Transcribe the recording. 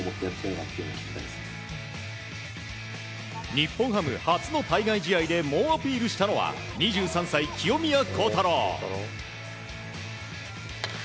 日本ハム初の対外試合で猛アピールしたのは２３歳、清宮幸太郎。